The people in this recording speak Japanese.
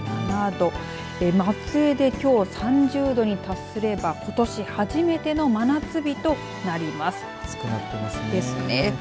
松江できょう３０度に達すればことし初めての真夏日となります。